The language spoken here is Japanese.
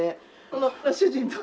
この主人と。